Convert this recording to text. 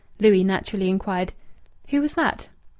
Louis naturally inquired, "Who was that?"